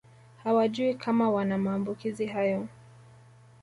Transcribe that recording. Hawajui kama wana maambukizi hayo